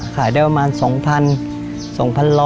ขายได้ประมาณ๒๐๐๒๐๐